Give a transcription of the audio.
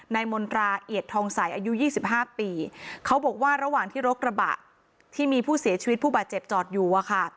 มนตราเอียดทองใสอายุยี่สิบห้าปีเขาบอกว่าระหว่างที่รถกระบะที่มีผู้เสียชีวิตผู้บาดเจ็บจอดอยู่อะค่ะ